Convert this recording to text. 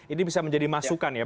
ini bisa menjadi masukan ya